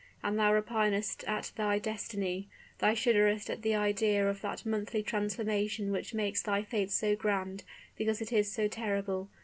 And thou repinest at thy destiny? thou shudderest at the idea of that monthly transformation which makes thy fate so grand, because it is so terrible?